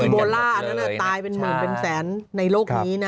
โบล่าอันนั้นตายเป็นหมื่นเป็นแสนในโลกนี้นะ